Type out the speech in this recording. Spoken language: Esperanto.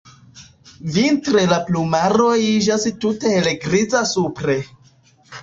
Vintre la plumaro iĝas tute helgriza supre.